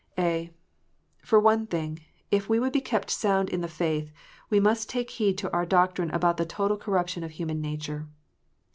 (a) For one thing, if we would be kept sound in the faith, we must take heed to our doctrine about the total corruption of human nature.